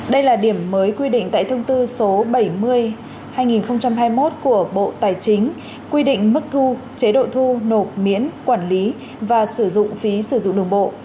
đây là điểm mới quy định tại thông tư số bảy mươi hai nghìn hai mươi một của bộ tài chính quy định mức thu chế độ thu nộp miễn quản lý và sử dụng phí sử dụng đường bộ